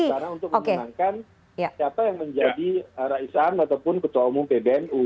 tidak ada suara istana untuk menentukan siapa yang menjadi raih sam ataupun ketua umum bdnu